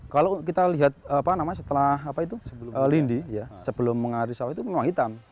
kalau kita lihat setelah lindi sebelum mengalir sawah itu memang hitam